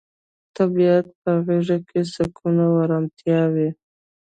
د طبیعت په غیږ کې سکون او ارامتیا وي.